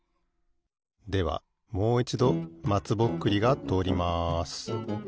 ではもういちどまつぼっくりがとおります。